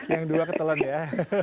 yang dua ketelan ya